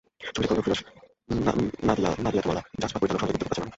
ছবিটির প্রযোজক ফিরোজ নাদিয়াদওয়ালা জাজবা পরিচালক সঞ্জয় গুপ্তের খুব কাছের বন্ধু।